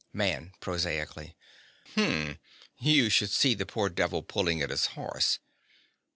MAN. (prosaically). Hm! you should see the poor devil pulling at his horse.